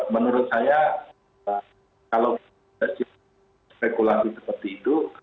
menurut saya kalau kita spekulasi seperti itu